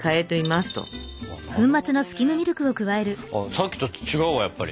さっきと違うわやっぱり。